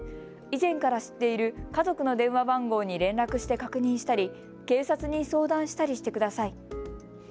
以前から知っている家族の電話番号に連絡して確認したり警察に相談したりしてください。